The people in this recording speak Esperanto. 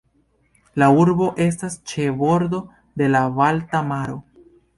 La urbo estas ĉe bordo de la Balta maro.